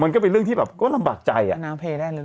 มันก็เป็นเรื่องที่แบบก็ลำบากใจอ่ะน้ำเพลได้เลย